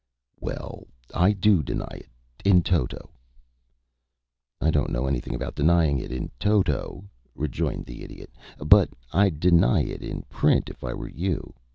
"Well, I do deny it in toto." "I don't know anything about denying it in toto," rejoined the Idiot, "but I'd deny it in print if I were you.